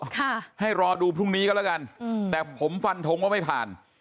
ค่ะให้รอดูพรุ่งนี้ก็แล้วกันอืมแต่ผมฟันทงว่าไม่ผ่าน